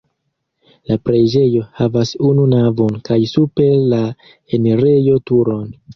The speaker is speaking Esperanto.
La preĝejo havas unu navon kaj super la enirejo turon.